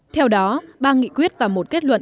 theo đó ba nghị quyết và một kết luận